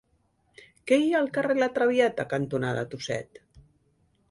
Què hi ha al carrer La Traviata cantonada Tuset?